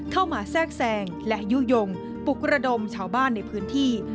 แทรกแซงและยุโยงปลุกระดมชาวบ้านในพื้นที่